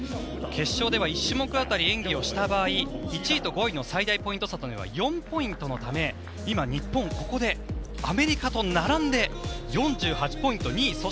決勝では１種目当たり演技をした場合１位と５位の最大ポイント差は４ポイントのため今、日本はここでアメリカと並んで４８ポイント、２位。